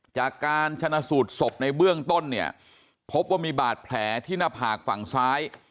จากการชนะสูตรศพในเบื้องต้นเนี่ยพบว่ามีบาดแผลที่หน้าผากฝั่งซ้าย